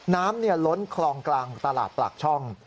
น้ำเนี่ยล้นคลองกลางตลาดปากช่อง